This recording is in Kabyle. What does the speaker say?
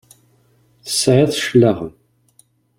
Tesɛiḍ cclaɣem!